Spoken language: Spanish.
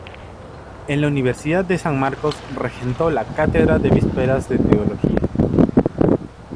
En la Universidad de San Marcos regentó la cátedra de Vísperas de Teología.